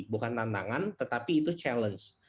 bukan tantangan tetapi itu challenge